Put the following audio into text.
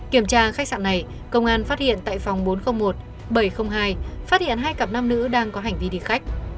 kiểm tra khách sạn này công an phát hiện tại phòng bốn trăm linh một bảy trăm linh hai phát hiện hai cặp nam nữ đang có hành vi đi khách